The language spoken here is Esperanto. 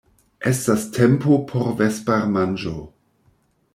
Estas tempo por vespermanĝo.